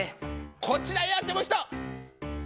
こっちだよって思う人！